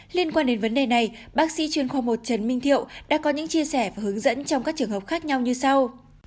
liên quan đến vấn đề này bác sĩ chuyên khoa một trần minh thiệu đã có những chia sẻ và hướng dẫn trong các trường hợp khác nhau như sau